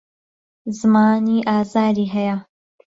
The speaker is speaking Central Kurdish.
زمانی ئازاری هەیە.